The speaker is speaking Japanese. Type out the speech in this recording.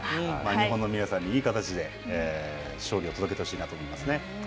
日本の皆さんにいい形で勝利を届けてほしいなと思いますね。